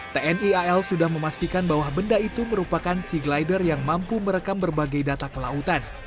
tni al sudah memastikan bahwa benda itu merupakan sea glider yang mampu merekam berbagai data kelautan